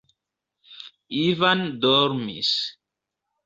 Ivan dormis.